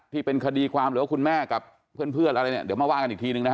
ที่เป็นคดีความหรือว่าคุณแม่กับเพื่อนอะไรเนี่ยเดี๋ยวมาว่ากันอีกทีนึงนะฮะ